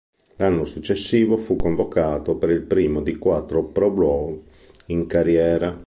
L'anno successivo fu convocato per il primo di quattro Pro Bowl in carriera.